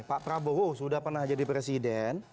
pak prabowo sudah pernah jadi presiden